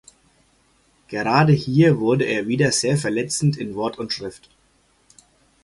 Gerade hier wurde er wieder sehr verletzend in Wort und Schrift.